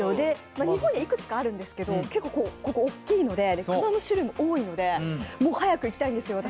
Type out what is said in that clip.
日本にいくつかあるんですけど、ここ大きいので熊の種類も多いので早く行きたいんですよ、私。